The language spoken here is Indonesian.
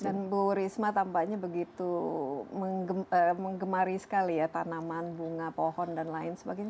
dan bu risma tampaknya begitu menggemari sekali ya tanaman bunga pohon dan lain sebagainya